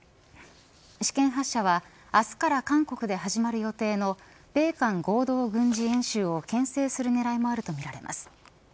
試験発射は明日から韓国で始まる予定の米韓合同軍事演習をけん制するねらいもあるとみれます。